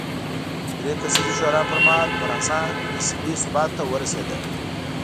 درې کسیزې شورا پر مهال فرانسه نسبي ثبات ته ورسېده.